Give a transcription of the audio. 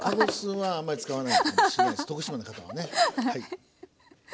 はい。